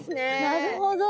なるほど。